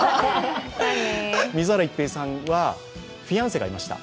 水原一平さんはフィアンセがいました。